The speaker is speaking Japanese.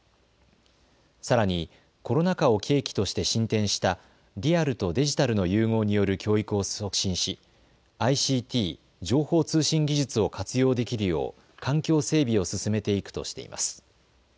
さらにコロナ禍を契機として進展したリアルとデジタルの融合による教育を促進しＩＣＴ・情報通信技術を活用できるよう環境整備を進めていくとしています。